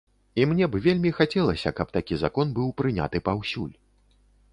І мне б вельмі хацелася, каб такі закон быў прыняты паўсюль.